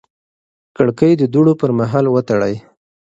کړکۍ د دوړو پر مهال وتړئ.